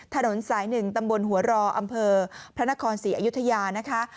ถนนสาย๑ตำบลหัวรออำเภอพระนครศรีอยุธยานะคะ